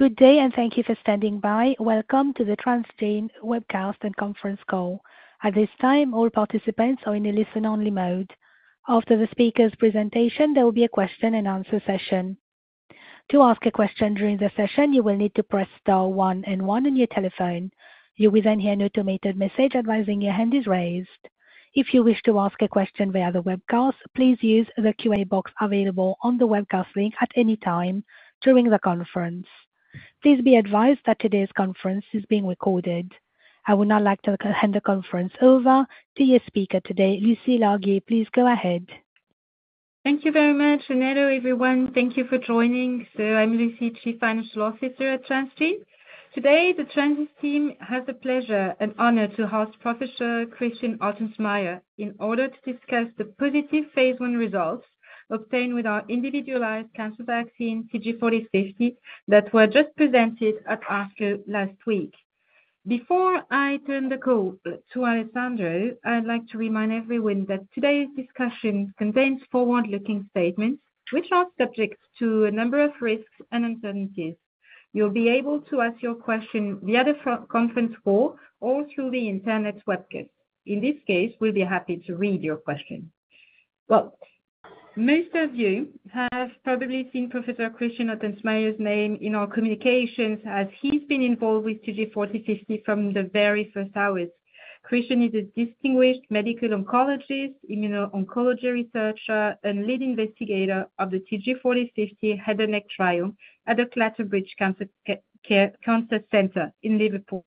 Good day, and thank you for standing by. Welcome to the Transgene Webcast and Conference Call. At this time, all participants are in a listen-only mode. After the speaker's presentation, there will be a question-and-answer session. To ask a question during the session, you will need to press star 1 and 1 on your telephone. You will then hear an automated message advising your hand is raised. If you wish to ask a question via the webcast, please use the Q&A box available on the webcast link at any time during the conference. Please be advised that today's conference is being recorded. I would now like to hand the conference over to your speaker today, Lucie Larguier. Please go ahead. Thank you very much. Hello, everyone. Thank you for joining. I'm Lucie, Chief Financial Officer at Transgene. Today, the Transgene team has the pleasure and honor to host Professor Christian Altensmeyer in order to discuss the positive phase I results obtained with our individualized cancer vaccine, TG4050, that were just presented at ASCO last week. Before I turn the call to Alessandro, I'd like to remind everyone that today's discussion contains forward-looking statements, which are subject to a number of risks and uncertainties. You'll be able to ask your question via the conference call or through the internet webcast. In this case, we'll be happy to read your question. Most of you have probably seen Professor Christian Altensmeyer's name in our communications as he's been involved with TG4050 from the very first hours. Christian is a distinguished medical oncologist, immuno-oncology researcher, and lead investigator of the TG4050 head and neck trial at the Clatterbridge Cancer Centre in Liverpool.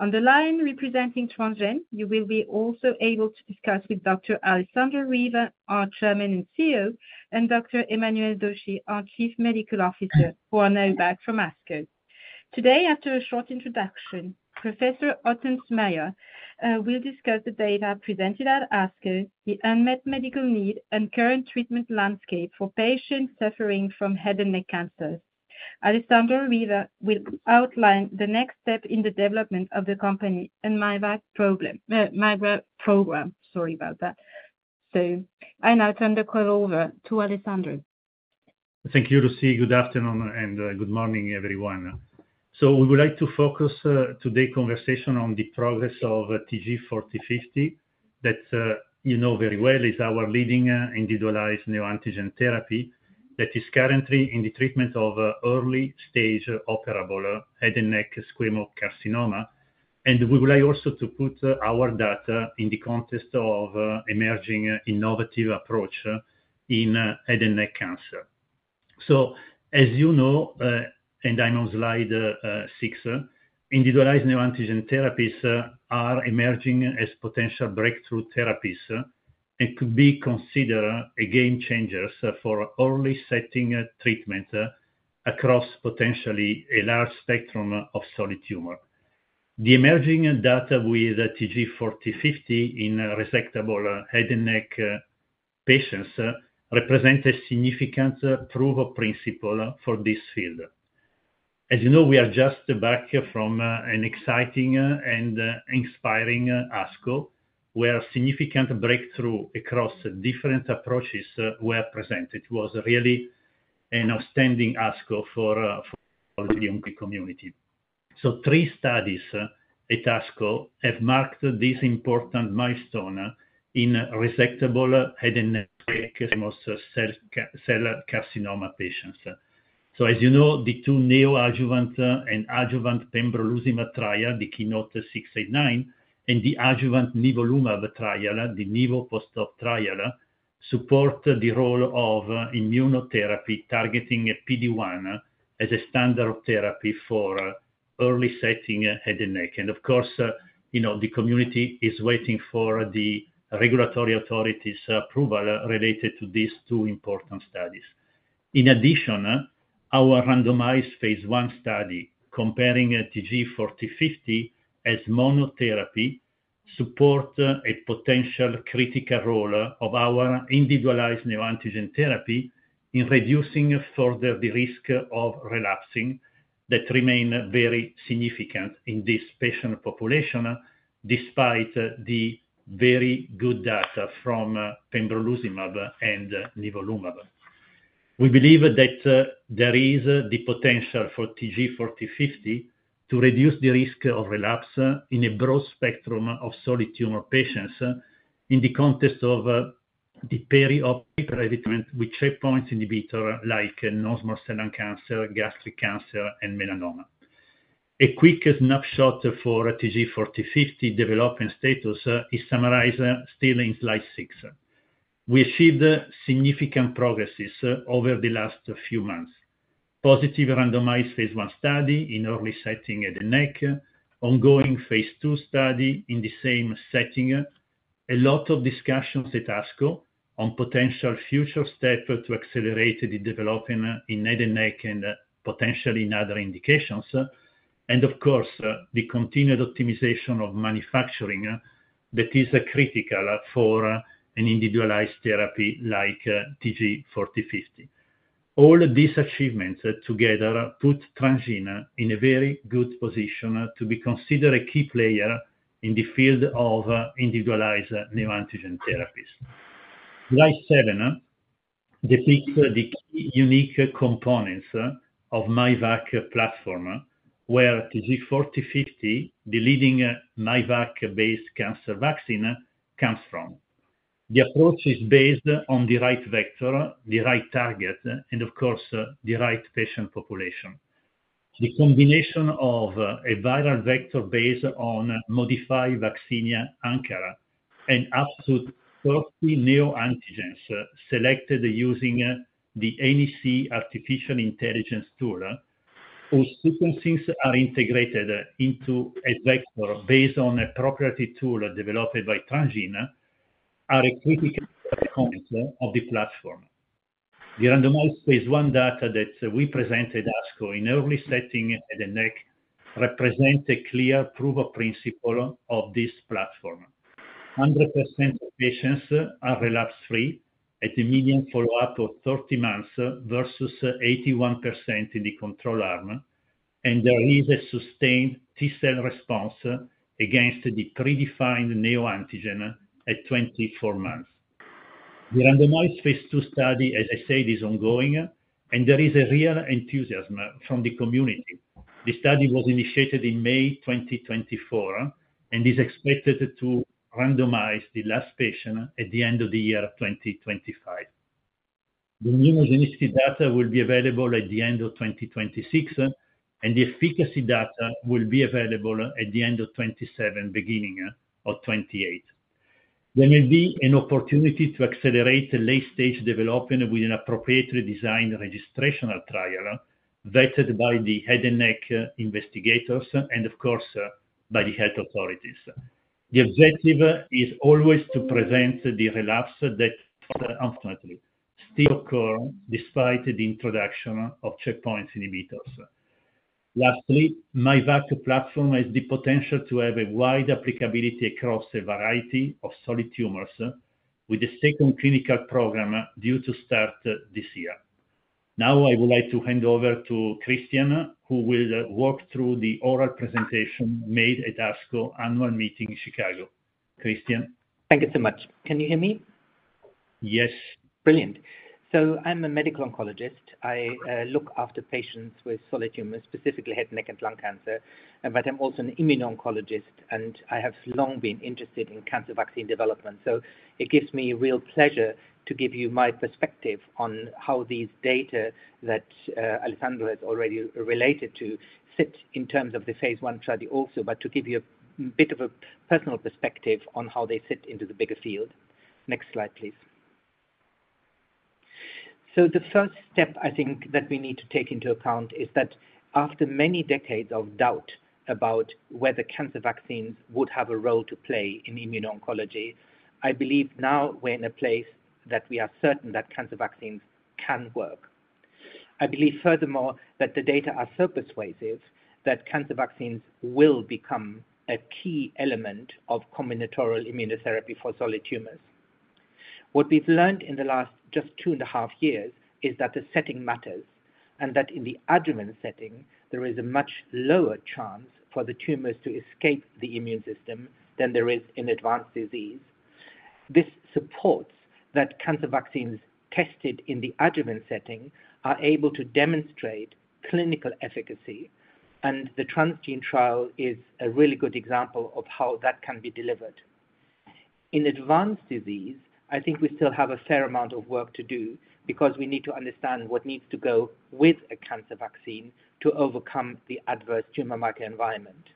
On the line representing Transgene, you will be also able to discuss with Dr. Alessandro Riva, our Chairman and CEO, and Dr. Emmanuel Dochy, our Chief Medical Officer for NOVAC from ASCO. Today, after a short introduction, Professor Altensmeyer will discuss the data presented at ASCO, the unmet medical need, and the current treatment landscape for patients suffering from head and neck cancers. Alessandro Riva will outline the next step in the development of the company and NOVAC program. Sorry about that. I now turn the call over to Alessandro. Thank you, Lucie. Good afternoon and good morning, everyone. We would like to focus today's conversation on the progress of TG4050, that you know very well is our leading individualized neoantigen therapy that is currently in the treatment of early-stage operable head and neck squamous cell carcinoma. We would like also to put our data in the context of an emerging innovative approach in head and neck cancer. As you know, and I'm on slide six, individualized neoantigen therapies are emerging as potential breakthrough therapies and could be considered game changers for early-setting treatment across potentially a large spectrum of solid tumors. The emerging data with TG4050 in resectable head and neck patients represents a significant proof of principle for this field. As you know, we are just back from an exciting and inspiring ASCO, where significant breakthroughs across different approaches were presented. It was really an outstanding ASCO for the oncology community. Three studies at ASCO have marked this important milestone in resectable head and neck cell carcinoma patients. As you know, the two neoadjuvant and adjuvant pembrolizumab trials, the KEYNOTE-689, and the adjuvant nivolumab trial, the Nivopost trial, support the role of immunotherapy targeting PD-1 as a standard of therapy for early-setting head and neck. Of course, you know the community is waiting for the regulatory authority's approval related to these two important studies. In addition, our randomized phase one study comparing TG4050 as monotherapy supports a potential critical role of our individualized neoantigen therapy in reducing further the risk of relapsing that remains very significant in this patient population despite the very good data from pembrolizumab and nivolumab. We believe that there is the potential for TG4050 to reduce the risk of relapse in a broad spectrum of solid tumor patients in the context of the perioperative treatment with checkpoint inhibitors like non-small cell lung cancer, gastric cancer, and melanoma. A quick snapshot for TG4050 development status is summarized still in slide six. We achieved significant progress over the last few months: positive randomized phase one study in early-setting head and neck, ongoing phase two study in the same setting, a lot of discussions at ASCO on potential future steps to accelerate the development in head and neck and potentially in other indications, and of course, the continued optimization of manufacturing that is critical for an individualized therapy like TG4050. All of these achievements together put Transgene in a very good position to be considered a key player in the field of individualized neoantigen therapies. Slide seven depicts the key unique components of the NOVAC platform, where TG4050, the leading NOVAC-based cancer vaccine, comes from. The approach is based on the right vector, the right target, and of course, the right patient population. The combination of a viral vector based on Modified Vaccinia Ankara and up to 30 neoantigens selected using the ANC artificial intelligence tool, whose sequences are integrated into a vector based on a proprietary tool developed by Transgene, are a critical component of the platform. The randomized phase I data that we presented at ASCO in early-setting head and neck represents a clear proof of principle of this platform. 100% of patients are relapse-free at a median follow-up of 30 months versus 81% in the control arm, and there is a sustained T-cell response against the predefined neoantigen at 24 months. The randomized phase two study, as I said, is ongoing, and there is a real enthusiasm from the community. The study was initiated in May 2024 and is expected to randomize the last patient at the end of the year 2025. The immunogenicity data will be available at the end of 2026, and the efficacy data will be available at the end of 2027, beginning of 2028. There may be an opportunity to accelerate late-stage development with an appropriately designed registration trial vetted by the head and neck investigators and, of course, by the health authorities. The objective is always to prevent the relapse that unfortunately still occurs despite the introduction of checkpoint inhibitors. Lastly, NOVAC platform has the potential to have a wide applicability across a variety of solid tumors with a second clinical program due to start this year. Now, I would like to hand over to Christian, who will walk through the oral presentation made at ASCO annual meeting in Chicago. Christian. Thank you so much. Can you hear me? Yes. Brilliant. I'm a medical oncologist. I look after patients with solid tumors, specifically head and neck and lung cancer, but I'm also an immuno-oncologist, and I have long been interested in cancer vaccine development. It gives me real pleasure to give you my perspective on how these data that Alessandro has already related to sit in terms of the phase one study also, but to give you a bit of a personal perspective on how they sit into the bigger field. Next slide, please. The first step, I think, that we need to take into account is that after many decades of doubt about whether cancer vaccines would have a role to play in immuno-oncology, I believe now we're in a place that we are certain that cancer vaccines can work. I believe, furthermore, that the data are so persuasive that cancer vaccines will become a key element of combinatorial immunotherapy for solid tumors. What we've learned in the last just two and a half years is that the setting matters and that in the adjuvant setting, there is a much lower chance for the tumors to escape the immune system than there is in advanced disease. This supports that cancer vaccines tested in the adjuvant setting are able to demonstrate clinical efficacy, and the Transgene trial is a really good example of how that can be delivered. In advanced disease, I think we still have a fair amount of work to do because we need to understand what needs to go with a cancer vaccine to overcome the adverse tumor microenvironment.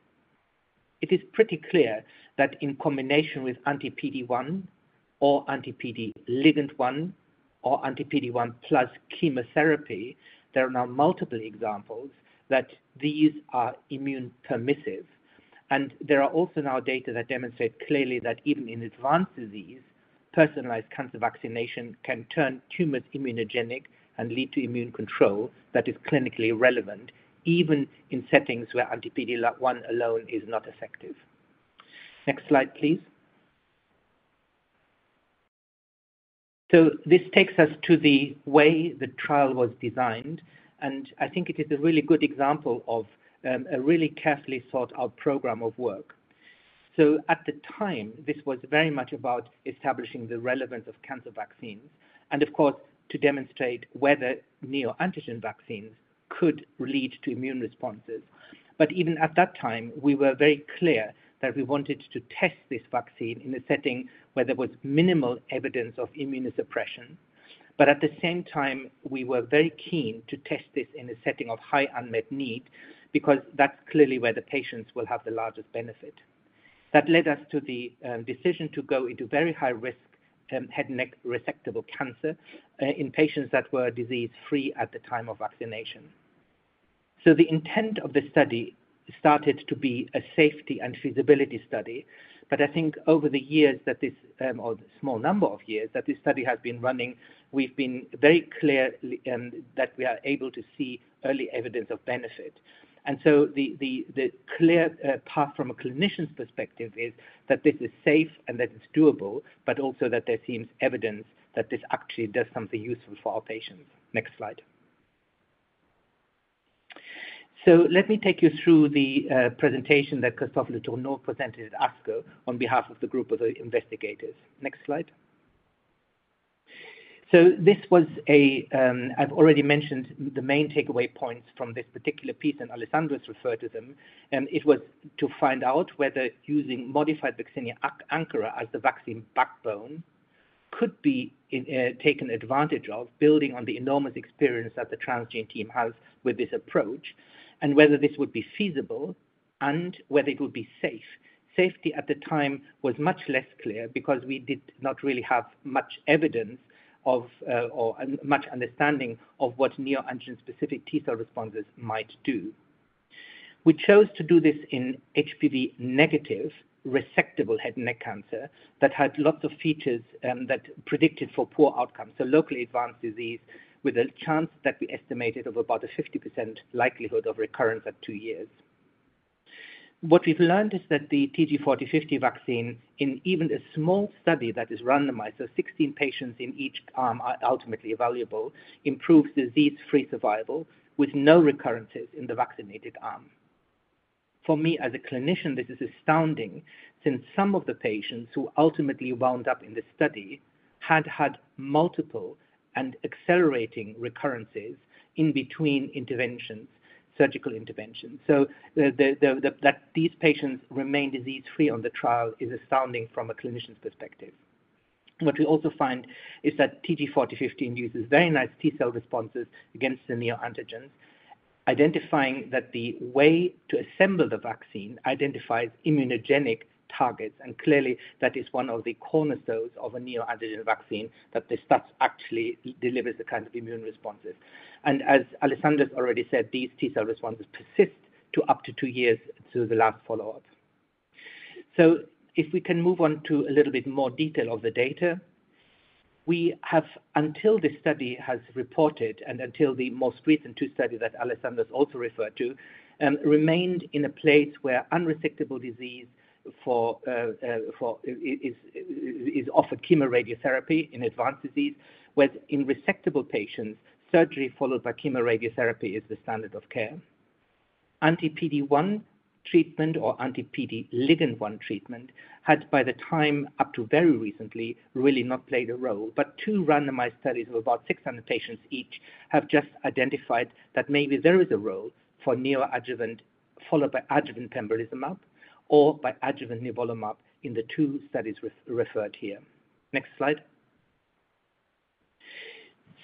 It is pretty clear that in combination with anti-PD-1 or anti-PD-L1 or anti-PD-1 plus chemotherapy, there are now multiple examples that these are immune permissive. There are also now data that demonstrate clearly that even in advanced disease, personalized cancer vaccination can turn tumors immunogenic and lead to immune control that is clinically relevant, even in settings where anti-PD-1 alone is not effective. Next slide, please. This takes us to the way the trial was designed, and I think it is a really good example of a really carefully thought-out program of work. At the time, this was very much about establishing the relevance of cancer vaccines and, of course, to demonstrate whether neoantigen vaccines could lead to immune responses. Even at that time, we were very clear that we wanted to test this vaccine in a setting where there was minimal evidence of immunosuppression. At the same time, we were very keen to test this in a setting of high unmet need because that's clearly where the patients will have the largest benefit. That led us to the decision to go into very high-risk head and neck resectable cancer in patients that were disease-free at the time of vaccination. The intent of the study started to be a safety and feasibility study, but I think over the years that this, or a small number of years that this study has been running, we've been very clear that we are able to see early evidence of benefit. The clear path from a clinician's perspective is that this is safe and that it's doable, but also that there seems evidence that this actually does something useful for our patients. Next slide. Let me take you through the presentation that Christophe Létourneau presented at ASCO on behalf of the group of the investigators. Next slide. This was a, I've already mentioned the main takeaway points from this particular piece, and Alessandro has referred to them. It was to find out whether using Modified Vaccinia Ankara as the vaccine backbone could be taken advantage of, building on the enormous experience that the Transgene team has with this approach, and whether this would be feasible and whether it would be safe. Safety at the time was much less clear because we did not really have much evidence or much understanding of what neoantigen-specific T-cell responses might do. We chose to do this in HPV-negative resectable head and neck cancer that had lots of features that predicted for poor outcomes, so locally advanced disease with a chance that we estimated of about a 50% likelihood of recurrence at two years. What we've learned is that the TG4050 vaccine, in even a small study that is randomized, so 16 patients in each arm are ultimately available, improves disease-free survival with no recurrences in the vaccinated arm. For me, as a clinician, this is astounding since some of the patients who ultimately wound up in the study had had multiple and accelerating recurrences in between interventions, surgical interventions. That these patients remain disease-free on the trial is astounding from a clinician's perspective. What we also find is that TG4050 induces very nice T-cell responses against the neoantigens, identifying that the way to assemble the vaccine identifies immunogenic targets, and clearly that is one of the cornerstones of a neoantigen vaccine that actually delivers the kind of immune responses. As Alessandro has already said, these T-cell responses persist to up to two years through the last follow-up. If we can move on to a little bit more detail of the data, we have, until this study has reported and until the most recent two studies that Alessandro has also referred to, remained in a place where unresectable disease is offered chemoradiotherapy in advanced disease, whereas in resectable patients, surgery followed by chemoradiotherapy is the standard of care. Anti-PD-1 treatment or anti-PD-L1 treatment had, by the time up to very recently, really not played a role, but two randomized studies of about 600 patients each have just identified that maybe there is a role for neoadjuvant followed by adjuvant pembrolizumab or by adjuvant nivolumab in the two studies referred here. Next slide.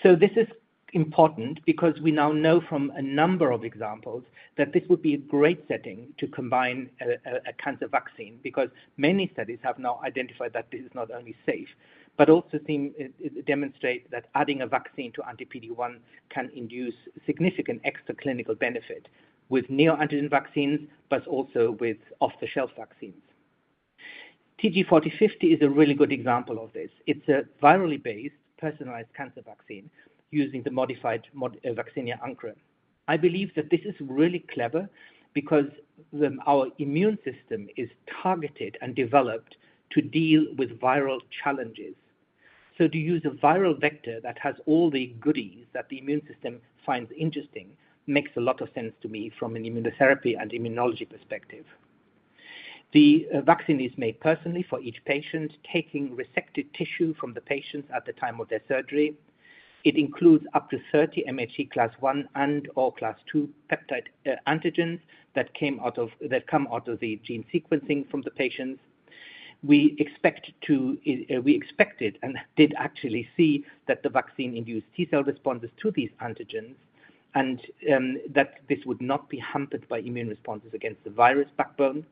This is important because we now know from a number of examples that this would be a great setting to combine a cancer vaccine because many studies have now identified that this is not only safe, but also demonstrate that adding a vaccine to anti-PD-1 can induce significant extraclinical benefit with neoantigen vaccines, but also with off-the-shelf vaccines. TG4050 is a really good example of this. It's a virally-based personalized cancer vaccine using the Modified Vaccinia Ankara. I believe that this is really clever because our immune system is targeted and developed to deal with viral challenges. To use a viral vector that has all the goodies that the immune system finds interesting makes a lot of sense to me from an immunotherapy and immunology perspective. The vaccine is made personally for each patient, taking resected tissue from the patients at the time of their surgery. It includes up to 30 MHC class I and/or class II peptide antigens that come out of the gene sequencing from the patients. We expected and did actually see that the vaccine induced T-cell responses to these antigens and that this would not be hampered by immune responses against the virus backbone,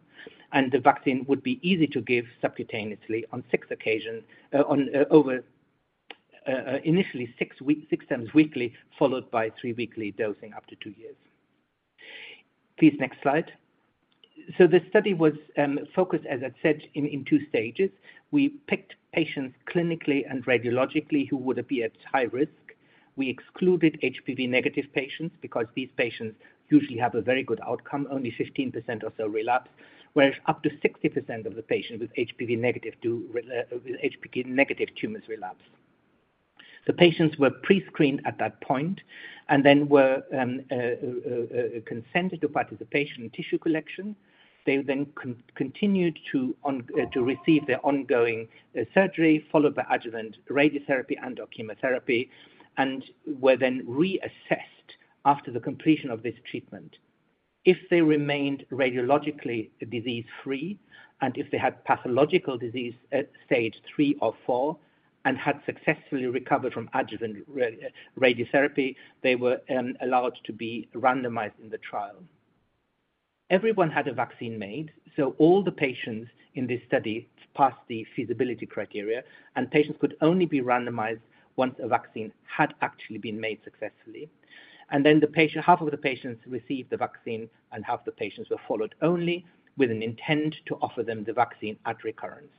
and the vaccine would be easy to give subcutaneously on six occasions, initially six times weekly, followed by three-weekly dosing up to two years. Please, next slide. The study was focused, as I said, in two stages. We picked patients clinically and radiologically who would be at high risk. We excluded HPV-positive patients because these patients usually have a very good outcome, only 15% or so relapse, whereas up to 60% of the patients with HPV-negative tumors relapse. The patients were pre-screened at that point and then were consented to participation in tissue collection. They then continued to receive their ongoing surgery followed by adjuvant radiotherapy and/or chemotherapy and were then reassessed after the completion of this treatment. If they remained radiologically disease-free and if they had pathological disease at stage three or four and had successfully recovered from adjuvant radiotherapy, they were allowed to be randomized in the trial. Everyone had a vaccine made, so all the patients in this study passed the feasibility criteria, and patients could only be randomized once a vaccine had actually been made successfully. Half of the patients received the vaccine, and half of the patients were followed only with an intent to offer them the vaccine at recurrence.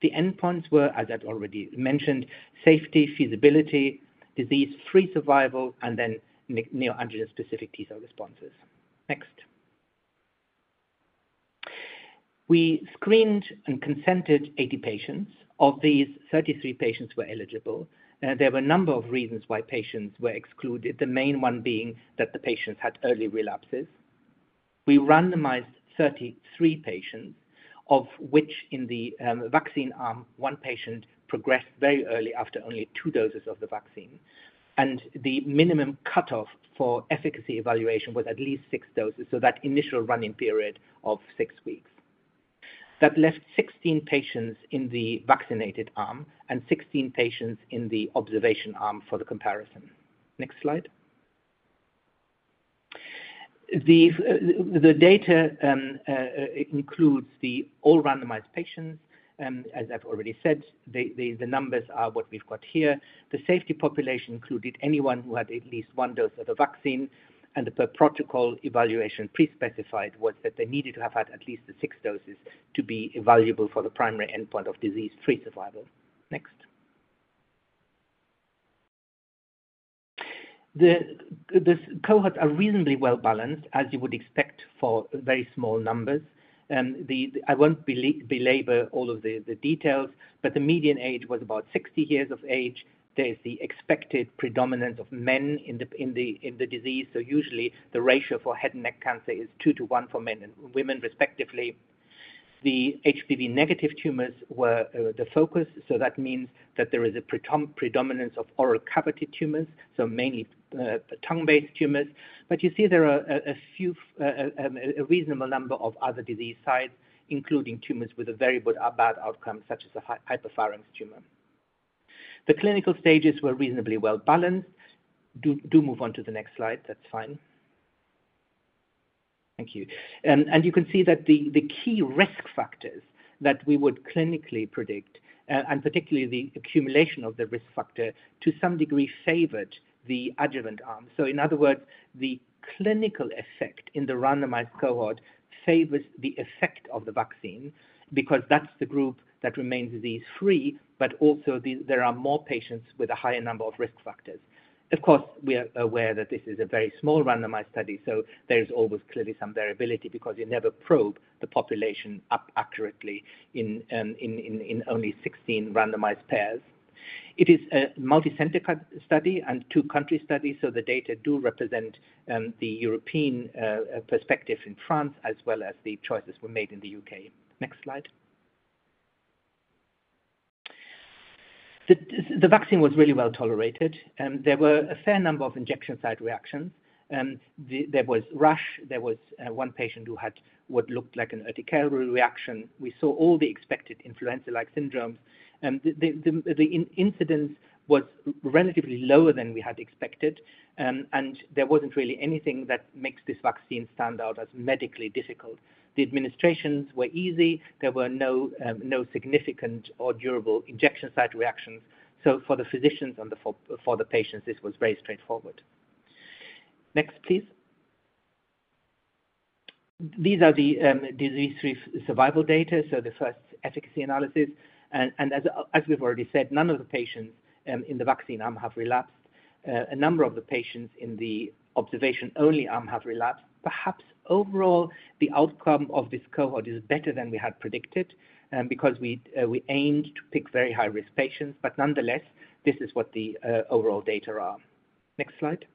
The endpoints were, as I've already mentioned, safety, feasibility, disease-free survival, and then neoantigen-specific T-cell responses. Next. We screened and consented 80 patients. Of these, 33 patients were eligible. There were a number of reasons why patients were excluded, the main one being that the patients had early relapses. We randomized 33 patients, of which in the vaccine arm, one patient progressed very early after only two doses of the vaccine, and the minimum cutoff for efficacy evaluation was at least six doses, so that initial running period of six weeks. That left 16 patients in the vaccinated arm and 16 patients in the observation arm for the comparison. Next slide. The data includes all randomized patients. As I've already said, the numbers are what we've got here. The safety population included anyone who had at least one dose of the vaccine, and the protocol evaluation pre-specified was that they needed to have had at least the six doses to be evaluable for the primary endpoint of disease-free survival. Next. The cohorts are reasonably well balanced, as you would expect for very small numbers. I won't belabor all of the details, but the median age was about 60 years of age. There is the expected predominance of men in the disease, so usually the ratio for head and neck cancer is two to one for men and women, respectively. The HPV-negative tumors were the focus, so that means that there is a predominance of oral cavity tumors, so mainly tongue-based tumors. You see there are a reasonable number of other disease sites, including tumors with a very bad outcome, such as a hyperthyroid tumor. The clinical stages were reasonably well balanced. Do move on to the next slide. That is fine. Thank you. You can see that the key risk factors that we would clinically predict, and particularly the accumulation of the risk factor, to some degree favored the adjuvant arm. In other words, the clinical effect in the randomized cohort favors the effect of the vaccine because that is the group that remains disease-free, but also there are more patients with a higher number of risk factors. Of course, we are aware that this is a very small randomized study, so there is always clearly some variability because you never probe the population accurately in only 16 randomized pairs. It is a multicenter study and two-country study, so the data do represent the European perspective in France, as well as the choices were made in the U.K. Next slide. The vaccine was really well tolerated. There were a fair number of injection site reactions. There was rash. There was one patient who had what looked like an urticarial reaction. We saw all the expected influenza-like syndromes. The incidence was relatively lower than we had expected, and there was not really anything that makes this vaccine stand out as medically difficult. The administrations were easy. There were no significant or durable injection site reactions. For the physicians and for the patients, this was very straightforward. Next, please. These are the disease-free survival data, so the first efficacy analysis. As we've already said, none of the patients in the vaccine arm have relapsed. A number of the patients in the observation-only arm have relapsed. Perhaps overall, the outcome of this cohort is better than we had predicted because we aimed to pick very high-risk patients, but nonetheless, this is what the overall data are. Next slide.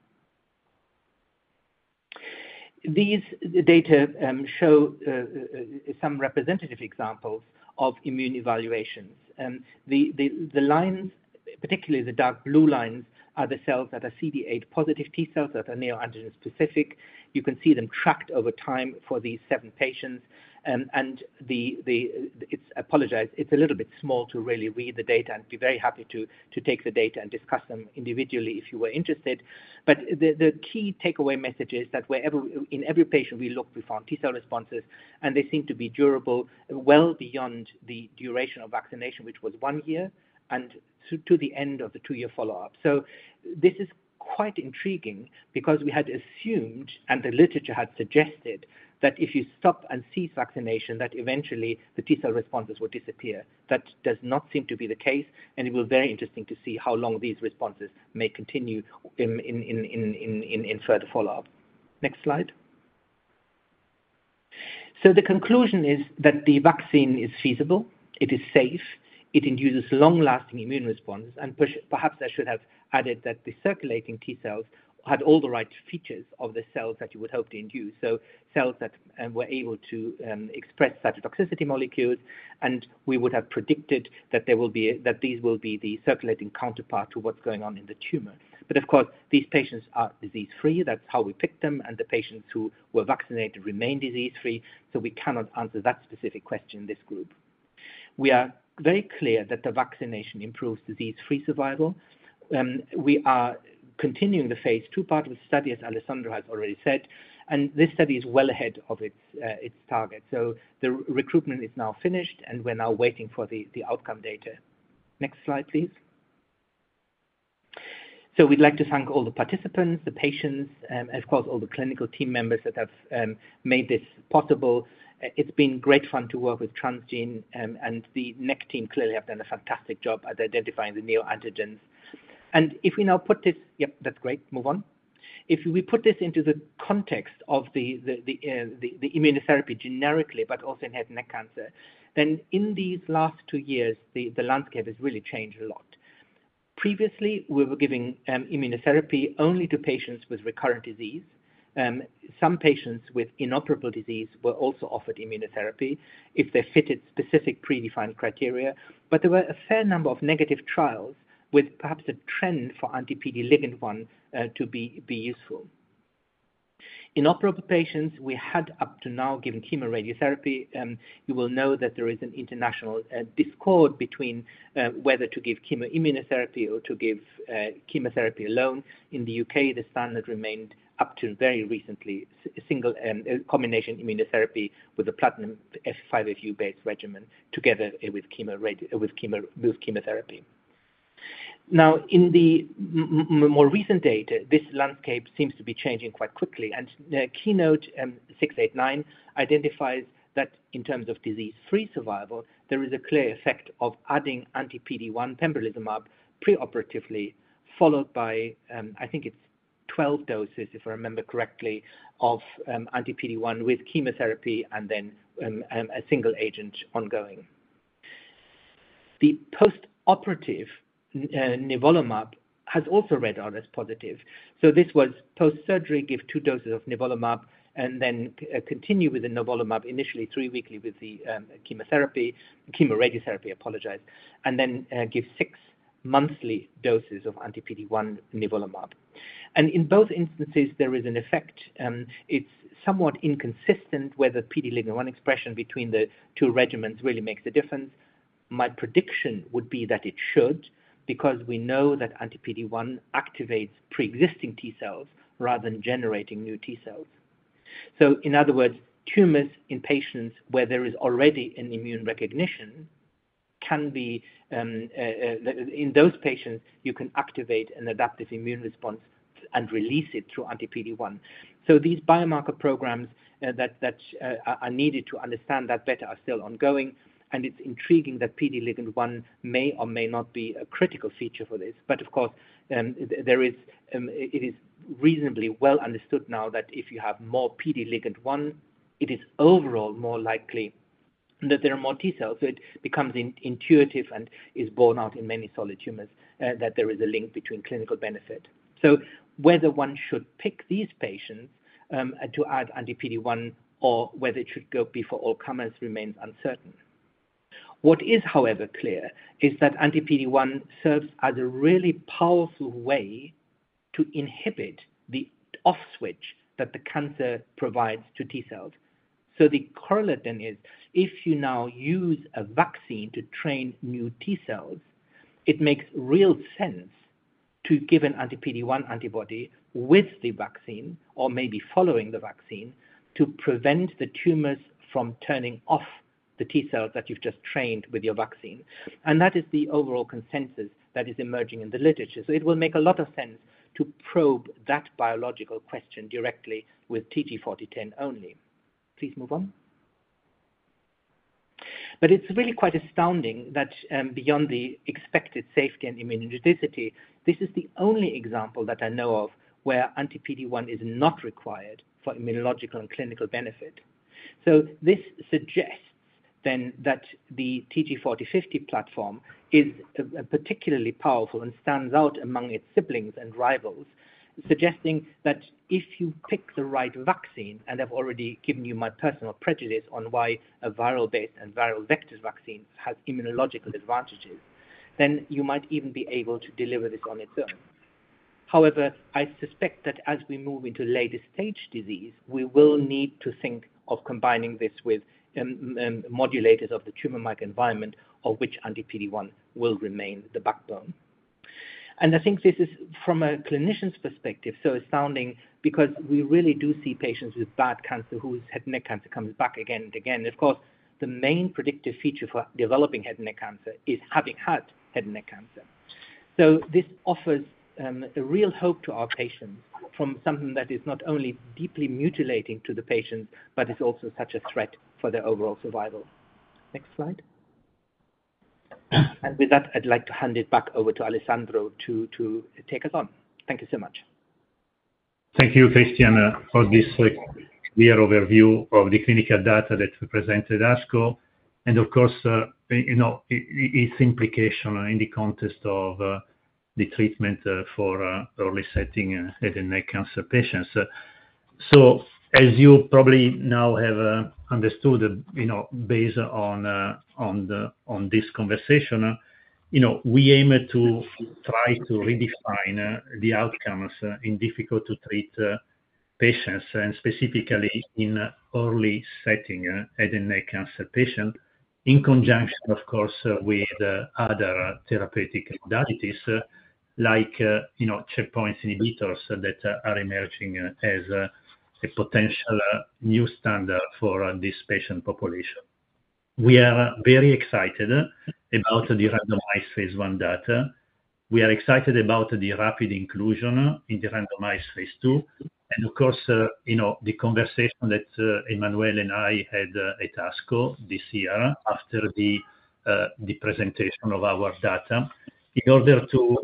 These data show some representative examples of immune evaluations. The lines, particularly the dark blue lines, are the cells that are CD8-positive T-cells that are neoantigen-specific. You can see them tracked over time for these seven patients. It's a little bit small to really read the data, and I'd be very happy to take the data and discuss them individually if you were interested. The key takeaway message is that in every patient we looked, we found T-cell responses, and they seem to be durable well beyond the duration of vaccination, which was one year, and to the end of the two-year follow-up. This is quite intriguing because we had assumed, and the literature had suggested, that if you stop and cease vaccination, that eventually the T-cell responses would disappear. That does not seem to be the case, and it will be very interesting to see how long these responses may continue in further follow-up. Next slide. The conclusion is that the vaccine is feasible. It is safe. It induces long-lasting immune responses. Perhaps I should have added that the circulating T-cells had all the right features of the cells that you would hope to induce, so cells that were able to express cytotoxicity molecules, and we would have predicted that these will be the circulating counterpart to what's going on in the tumor. Of course, these patients are disease-free. That's how we picked them, and the patients who were vaccinated remain disease-free, so we cannot answer that specific question in this group. We are very clear that the vaccination improves disease-free survival. We are continuing the phase two part of the study, as Alessandro has already said, and this study is well ahead of its target. The recruitment is now finished, and we're now waiting for the outcome data. Next slide, please. We'd like to thank all the participants, the patients, and of course, all the clinical team members that have made this possible. It's been great fun to work with Transgene, and the NEC team clearly have done a fantastic job at identifying the neoantigens. If we now put this—yep, that's great. Move on. If we put this into the context of the immunotherapy generically, but also in head and neck cancer, then in these last two years, the landscape has really changed a lot. Previously, we were giving immunotherapy only to patients with recurrent disease. Some patients with inoperable disease were also offered immunotherapy if they fitted specific pre-defined criteria, but there were a fair number of negative trials with perhaps a trend for anti-PD-L1 to be useful. Inoperable patients, we had up to now given chemoradiotherapy. You will know that there is an international discord between whether to give chemoimmunotherapy or to give chemotherapy alone. In the U.K., the standard remained up to very recently a single combination immunotherapy with a platinum F5FU-based regimen together with chemotherapy. Now, in the more recent data, this landscape seems to be changing quite quickly, and KEYNOTE-689 identifies that in terms of disease-free survival, there is a clear effect of adding anti-PD-1 pembrolizumab preoperatively, followed by, I think it's 12 doses, if I remember correctly, of anti-PD-1 with chemotherapy and then a single agent ongoing. The post-operative nivolumab has also read out as positive. This was post-surgery, give two doses of nivolumab, and then continue with the nivolumab initially three weekly with the chemoradiotherapy, apologize, and then give six monthly doses of anti-PD-1 nivolumab. In both instances, there is an effect. It's somewhat inconsistent whether PD-L1 expression between the two regimens really makes a difference. My prediction would be that it should because we know that anti-PD-1 activates pre-existing T-cells rather than generating new T-cells. In other words, tumors in patients where there is already an immune recognition, in those patients, you can activate an adaptive immune response and release it through anti-PD-1. These biomarker programs that are needed to understand that better are still ongoing, and it's intriguing that PD-L1 may or may not be a critical feature for this. Of course, it is reasonably well understood now that if you have more PD-L1, it is overall more likely that there are more T-cells. It becomes intuitive and is borne out in many solid tumors that there is a link between clinical benefit. Whether one should pick these patients to add anti-PD-1 or whether it should go before all comments remains uncertain. What is, however, clear is that anti-PD-1 serves as a really powerful way to inhibit the off-switch that the cancer provides to T-cells. The correlate then is, if you now use a vaccine to train new T-cells, it makes real sense to give an anti-PD-1 antibody with the vaccine or maybe following the vaccine to prevent the tumors from turning off the T-cells that you've just trained with your vaccine. That is the overall consensus that is emerging in the literature. It will make a lot of sense to probe that biological question directly with TG4010 only. Please move on. It is really quite astounding that beyond the expected safety and immunogenicity, this is the only example that I know of where anti-PD-1 is not required for immunological and clinical benefit. This suggests then that the TG4050 platform is particularly powerful and stands out among its siblings and rivals, suggesting that if you pick the right vaccine—and I have already given you my personal prejudice on why a viral-based and viral vector vaccine has immunological advantages—then you might even be able to deliver this on its own. However, I suspect that as we move into later-stage disease, we will need to think of combining this with modulators of the tumor microenvironment, of which anti-PD-1 will remain the backbone. I think this is, from a clinician's perspective, so astounding because we really do see patients with bad cancer whose head and neck cancer comes back again and again. Of course, the main predictive feature for developing head and neck cancer is having had head and neck cancer. This offers a real hope to our patients from something that is not only deeply mutilating to the patients, but is also such a threat for their overall survival. Next slide. With that, I'd like to hand it back over to Alessandro to take us on. Thank you so much. Thank you, Christian, for this clear overview of the clinical data that you presented us. Of course, its implication in the context of the treatment for early-setting head and neck cancer patients. As you probably now have understood based on this conversation, we aim to try to redefine the outcomes in difficult-to-treat patients, and specifically in early-setting head and neck cancer patients, in conjunction, of course, with other therapeutic modalities like checkpoint inhibitors that are emerging as a potential new standard for this patient population. We are very excited about the randomized phase one data. We are excited about the rapid inclusion in the randomized phase two. Of course, the conversation that Emmanuel and I had at ASCO this year after the presentation of our data, in order to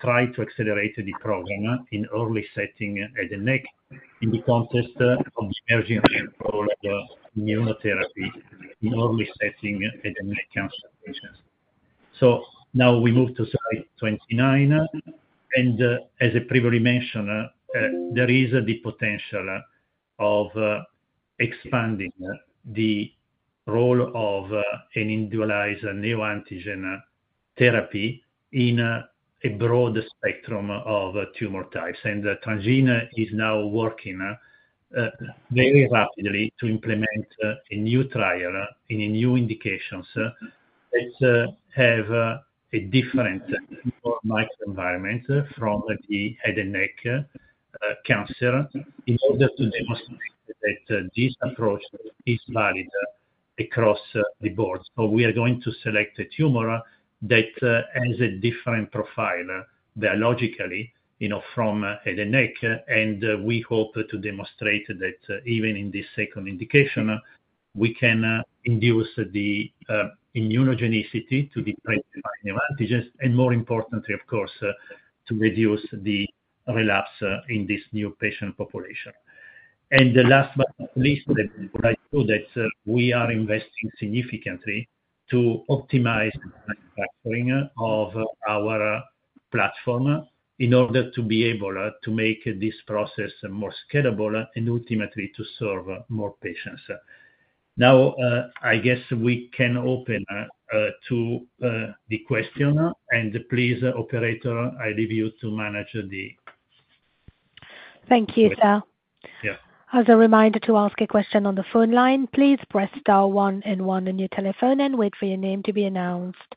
try to accelerate the program in early-setting head and neck in the context of the emerging role of immunotherapy in early-setting head and neck cancer patients. Now we move to slide 29. As I previously mentioned, there is the potential of expanding the role of an individualized neoantigen therapy in a broad spectrum of tumor types. Transgene is now working very rapidly to implement a new trial in new indications that have a different microenvironment from the head and neck cancer in order to demonstrate that this approach is valid across the board. We are going to select a tumor that has a different profile biologically from head and neck, and we hope to demonstrate that even in this second indication, we can induce the immunogenicity to the antibiotics. More importantly, of course, to reduce the relapse in this new patient population. Last but not least, I would like to note that we are investing significantly to optimize the manufacturing of our platform in order to be able to make this process more scalable and ultimately to serve more patients. Now, I guess we can open to the question. Please, operator, I leave you to manage. Thank you, Sal. As a reminder, to ask a question on the phone line, please press star 1 and 1 on your telephone and wait for your name to be announced.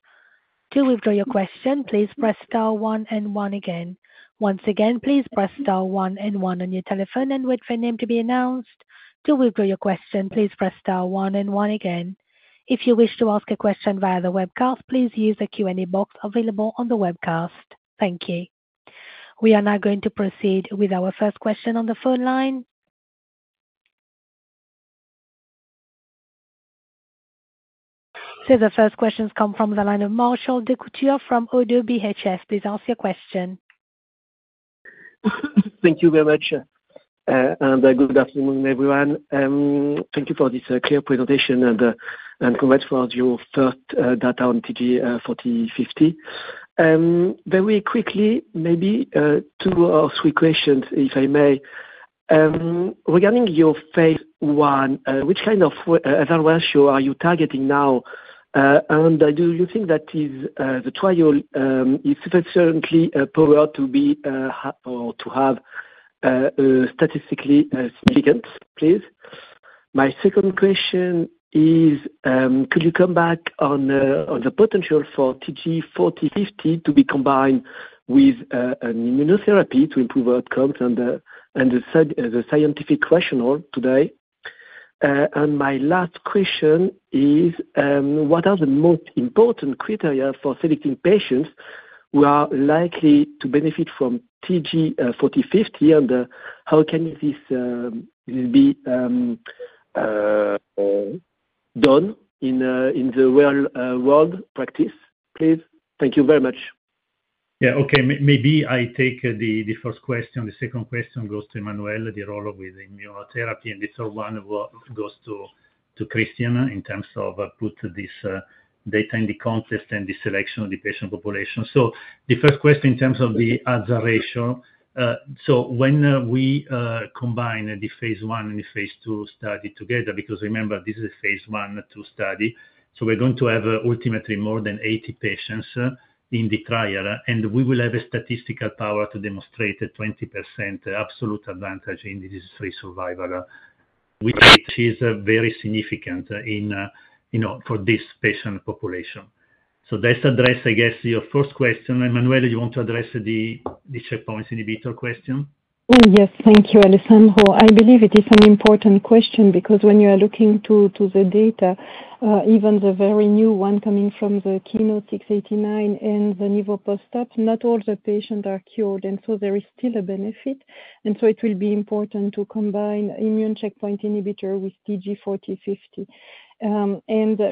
To withdraw your question, please press star 1 and 1 again. Once again, please press star 1 and 1 on your telephone and wait for your name to be announced. To withdraw your question, please press star 1 and 1 again. If you wish to ask a question via the webcast, please use the Q&A box available on the webcast. Thank you. We are now going to proceed with our first question on the phone line. The first question has come from the line of Marshall Decutier from Oddo BHF. Please ask your question. Thank you very much. Good afternoon, everyone. Thank you for this clear presentation, and congrats for your first data on TG4050. Very quickly, maybe two or three questions, if I may. Regarding your phase one, which kind of evaluation are you targeting now? Do you think that the trial is sufficiently powered to have statistically significant? Please. My second question is, could you come back on the potential for TG4050 to be combined with an immunotherapy to improve outcomes and the scientific questionnaire today? My last question is, what are the most important criteria for selecting patients who are likely to benefit from TG4050, and how can this be done in the real-world practice? Please. Thank you very much. Yeah. Okay. Maybe I take the first question. The second question goes to Emmanuel, the role with immunotherapy. The third one goes to Christian in terms of putting this data in the context and the selection of the patient population. The first question in terms of the ads ratio. When we combine the phase one and the phase two study together, because remember, this is a phase one to study, we are going to have ultimately more than 80 patients in the trial, and we will have a statistical power to demonstrate a 20% absolute advantage in disease-free survival. It is very significant for this patient population. That addresses, I guess, your first question. Emmanuel, you want to address the checkpoint inhibitor question? Yes. Thank you, Alessandro. I believe it is an important question because when you are looking to the data, even the very new one coming from the KEYNOTE-689 and the Nivopost, not all the patients are cured, and so there is still a benefit. It will be important to combine immune checkpoint inhibitor with TG4050.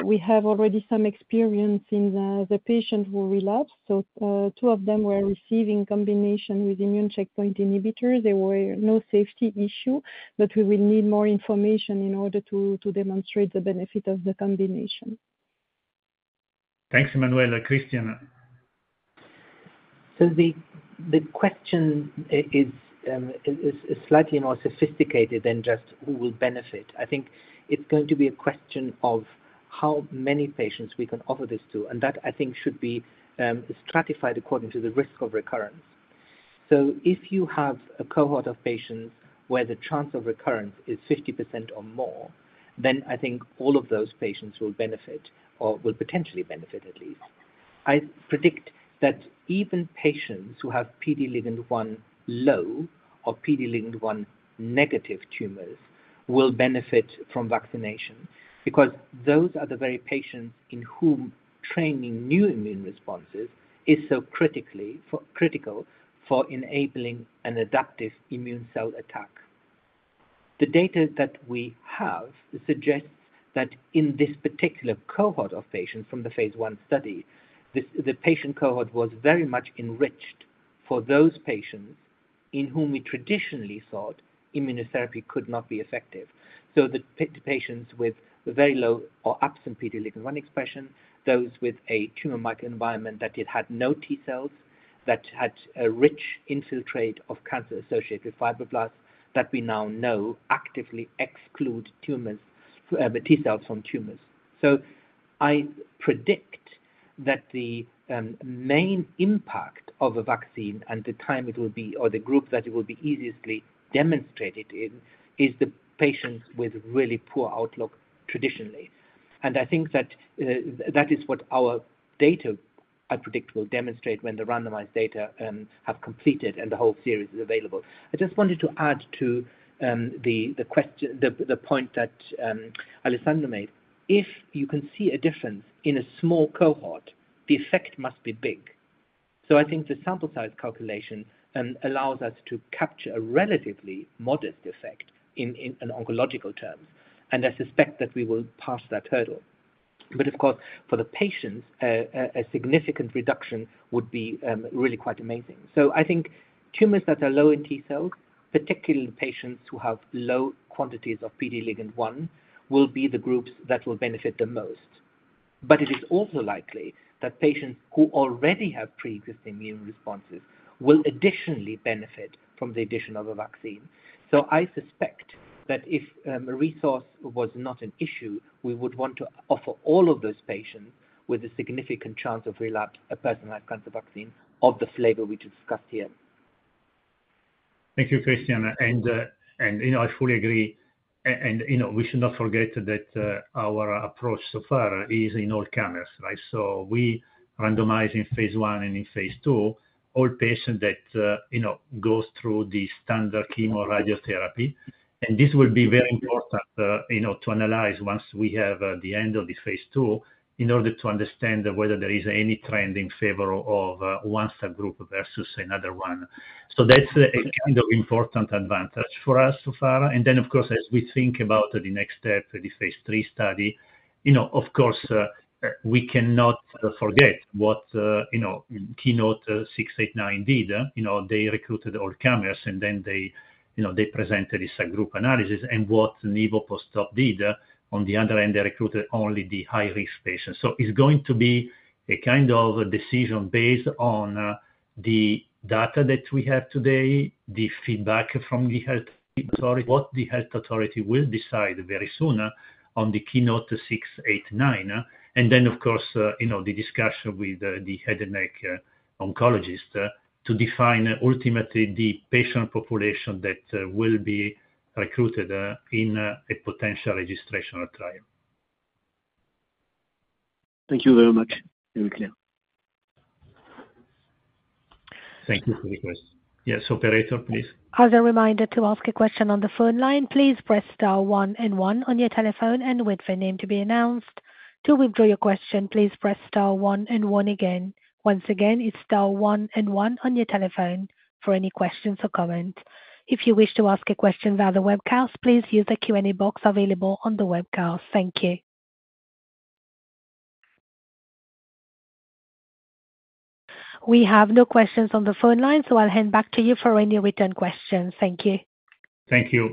We have already some experience in the patients who relapsed. Two of them were receiving combination with immune checkpoint inhibitors. There were no safety issues, but we will need more information in order to demonstrate the benefit of the combination. Thanks, Emmanuel. Christian? The question is slightly more sophisticated than just who will benefit. I think it's going to be a question of how many patients we can offer this to. That, I think, should be stratified according to the risk of recurrence. If you have a cohort of patients where the chance of recurrence is 50% or more, then I think all of those patients will benefit or will potentially benefit at least. I predict that even patients who have PD-L1 low or PD-L1 negative tumors will benefit from vaccination because those are the very patients in whom training new immune responses is so critical for enabling an adaptive immune cell attack. The data that we have suggests that in this particular cohort of patients from the phase one study, the patient cohort was very much enriched for those patients in whom we traditionally thought immunotherapy could not be effective. The patients with very low or absent PD-L1 expression, those with a tumor microenvironment that had no T-cells, that had a rich infiltrate of cancer associated with fibroblasts that we now know actively exclude T-cells from tumors. I predict that the main impact of a vaccine and the time it will be or the group that it will be most easily demonstrated in is the patients with really poor outlook traditionally. I think that that is what our data, I predict, will demonstrate when the randomized data have completed and the whole series is available. I just wanted to add to the point that Alessandro made. If you can see a difference in a small cohort, the effect must be big. I think the sample size calculation allows us to capture a relatively modest effect in oncological terms. I suspect that we will pass that hurdle. Of course, for the patients, a significant reduction would be really quite amazing. I think tumors that are low in T-cells, particularly patients who have low quantities of PD-L1, will be the groups that will benefit the most. It is also likely that patients who already have pre-existing immune responses will additionally benefit from the addition of a vaccine. I suspect that if a resource was not an issue, we would want to offer all of those patients with a significant chance of relapse a personalized cancer vaccine of the flavor we just discussed here. Thank you, Christian. I fully agree. We should not forget that our approach so far is in all countries, right? We randomize in phase one and in phase two all patients that go through the standard chemoradiotherapy. This will be very important to analyze once we have the end of the phase two in order to understand whether there is any trend in favor of one subgroup versus another one. That is a kind of important advantage for us so far. Of course, as we think about the next step, the phase three study, we cannot forget what KEYNOTE-689 did. They recruited all comers and then they presented a subgroup analysis. What Nivopost did, on the other hand, is they recruited only the high-risk patients. It is going to be a kind of decision based on the data that we have today, the feedback from the health authority, and what the health authority will decide very soon on the KEYNOTE-689. Of course, the discussion with the head and neck oncologist to define ultimately the patient population that will be recruited in a potential registration or trial. Thank you very much. Thank you for the question. Yes, operator, please. As a reminder to ask a question on the phone line, please press star 1 and 1 on your telephone and wait for your name to be announced. To withdraw your question, please press star 1 and 1 again. Once again, it is star 1 and 1 on your telephone for any questions or comments. If you wish to ask a question via the webcast, please use the Q&A box available on the webcast. Thank you. We have no questions on the phone line, so I will hand back to you for any return questions. Thank you. Thank you.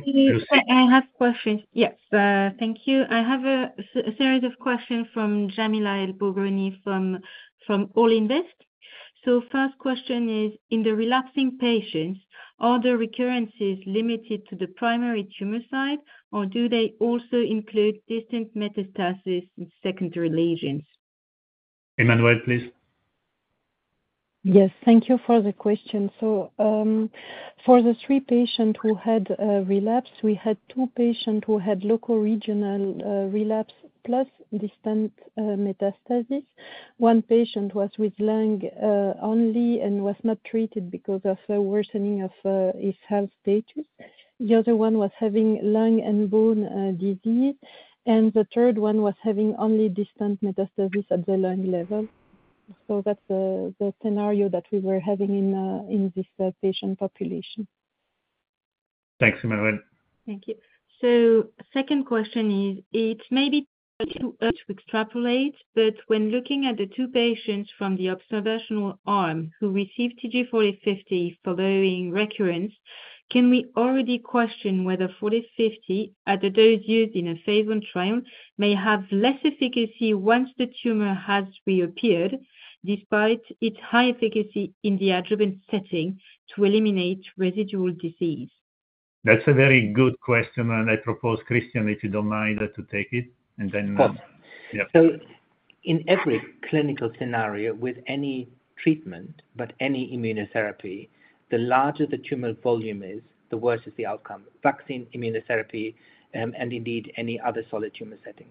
I have questions. Yes. Thank you. I have a series of questions from Jamila El-Bogroni from All Invest. First question is, in the relapsing patients, are the recurrences limited to the primary tumor site, or do they also include distant metastasis in secondary lesions? Emmanuel, please. Yes. Thank you for the question. For the three patients who had relapse, we had two patients who had locoregional relapse plus distant metastasis. One patient was with lung only and was not treated because of the worsening of his health status. The other one was having lung and bone disease. The third one was having only distant metastasis at the lung level. That is the scenario that we were having in this patient population. Thanks, Emmanuel. Thank you. Second question is, it may be too early to extrapolate, but when looking at the two patients from the observational arm who received TG4050 following recurrence, can we already question whether 4050 at the dose used in a phase one trial may have less efficacy once the tumor has reappeared despite its high efficacy in the adjuvant setting to eliminate residual disease? That's a very good question. I propose Christian, if you don't mind, to take it. Yeah. In every clinical scenario with any treatment, but any immunotherapy, the larger the tumor volume is, the worse is the outcome. Vaccine, immunotherapy, and indeed any other solid tumor setting.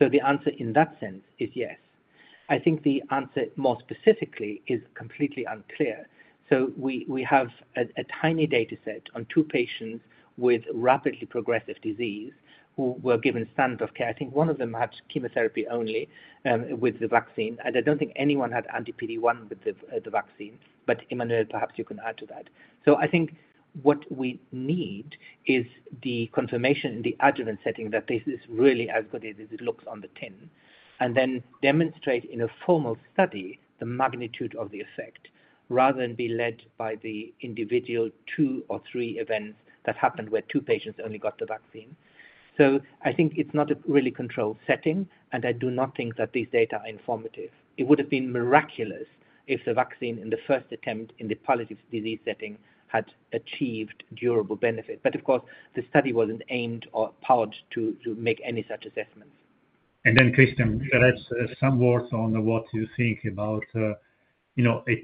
The answer in that sense is yes. I think the answer more specifically is completely unclear. We have a tiny dataset on two patients with rapidly progressive disease who were given standard of care. I think one of them had chemotherapy only with the vaccine. I don't think anyone had anti-PD-1 with the vaccine. Emmanuel, perhaps you can add to that. I think what we need is the confirmation in the adjuvant setting that this is really as good as it looks on the tin. Then demonstrate in a formal study the magnitude of the effect rather than be led by the individual two or three events that happened where two patients only got the vaccine. I think it's not a really controlled setting, and I do not think that these data are informative. It would have been miraculous if the vaccine in the first attempt in the palliative disease setting had achieved durable benefit. Of course, the study wasn't aimed or powered to make any such assessments. Christian, perhaps some words on what you think about a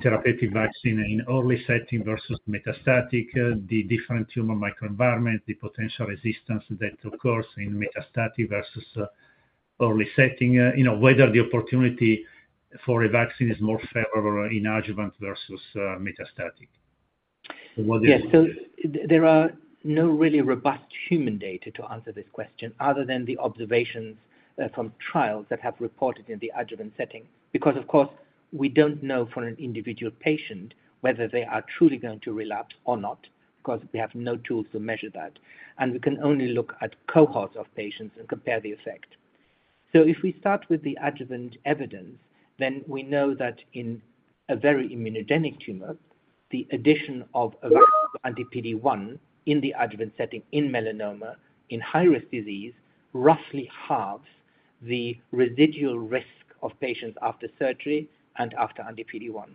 therapeutic vaccine in early setting versus metastatic, the different tumor microenvironment, the potential resistance that occurs in metastatic versus early setting, whether the opportunity for a vaccine is more favorable in adjuvant versus metastatic. Yes. There are no really robust human data to answer this question other than the observations from trials that have reported in the adjuvant setting. Of course, we do not know for an individual patient whether they are truly going to relapse or not because we have no tools to measure that. We can only look at cohorts of patients and compare the effect. If we start with the adjuvant evidence, then we know that in a very immunogenic tumor, the addition of anti-PD1 in the adjuvant setting in melanoma in high-risk disease roughly halves the residual risk of patients after surgery and after anti-PD1.